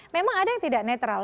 memang ada yang tidak netral